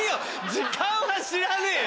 時間は知らねえよ！